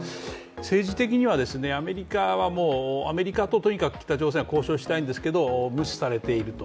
政治的には、アメリカはもうアメリカと北朝鮮はとにかく交渉したいんですけど無視されていると。